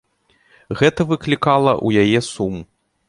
Гэта выклікала ў яе сум.